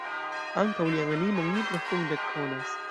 Ankaŭ lian animon ni profunde ekkonas.